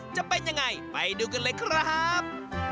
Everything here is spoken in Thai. จะเป็นยังไงไปดูกันเลยครับ